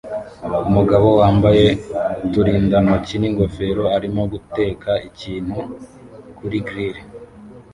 Umugabo wambaye uturindantoki n'ingofero arimo guteka ikintu kuri grill